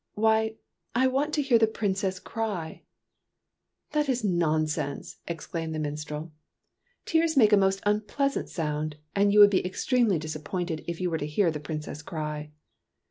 Why, I want to hear the Princess cry !"" That is nonsense !" exclaimed the minstrel. " Tears make a most unpleasant sound, and you would be extremely disappointed if you were to hear the Princess cry."